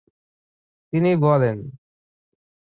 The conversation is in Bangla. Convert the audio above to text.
তিনি বলেন,